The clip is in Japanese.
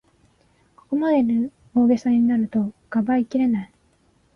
ここまで大ごとになると、かばいきれない